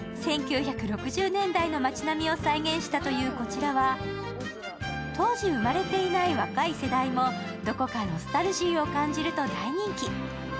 １９６０年代の街並みを再現したというこちらは、当時生まれていない若い世代もどこかノスタルジーを感じると大人気。